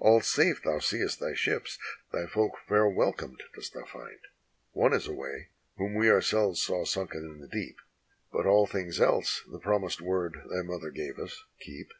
All safe thou seest thy ships; thy folk fair welcomed dost thou find: One is away, whom we ourselves saw sunken in the deep ; But all things else the promised word thy mother gave us keep."